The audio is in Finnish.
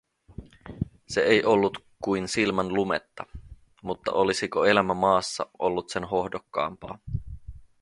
Se ei ollut kuin silmänlumetta… Mutta olisiko elämä maassa ollut sen hohdokkaampaa?